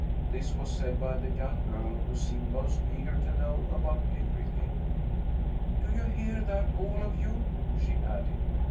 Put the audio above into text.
This was said by the young girl who seemed most eager to know about everything. "Do you hear that, all of you?" she added.